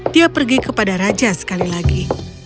dia pergi kepada raja sekali lagi